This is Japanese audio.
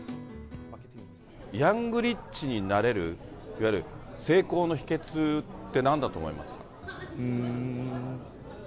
ヤングリッチになれる、いわゆる成功の秘けつってなんだと思いますか？